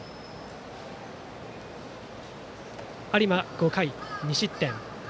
有馬、５回２失点。